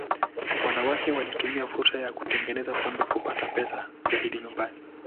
Wanawake walitumia fursa ya kutengeneza pombe kupata pesa zaidi nyumbani.